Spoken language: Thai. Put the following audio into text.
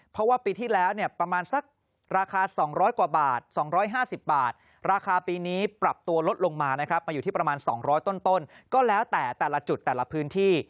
เพราะว่าปีที่แล้วเนี่ยประมาณสักราคา๒๐๐กว่าบาท๒๕๐บาทราคาปีนี้ปรับตัวลดลงมานะครับมาอยู่ที่ประมาณ๒๐๐ต้นก็แล้วแต่แต่ละจุดแต่ละพื้นที่